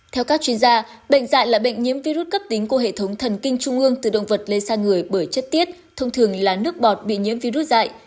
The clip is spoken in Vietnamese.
theo các chuyên gia bệnh dạy là bệnh nhiễm virus cấp tính của hệ thống thần kinh trung ương từ động vật lây sang người bởi chất tiết thông thường là nước bọt bị nhiễm virus dạy